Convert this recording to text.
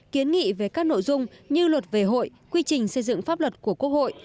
kiến nghị về các nội dung như luật về hội quy trình xây dựng pháp luật của quốc hội